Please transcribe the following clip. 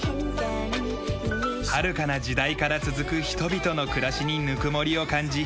はるかな時代から続く人々の暮らしにぬくもりを感じ